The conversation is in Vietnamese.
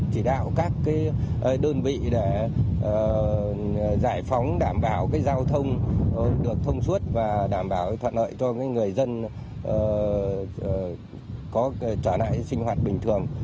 chỉ đạo các cái đơn vị để giải phóng đảm bảo cái giao thông được thông suốt và đảm bảo thuận lợi cho cái người dân có trả lại sinh hoạt bình thường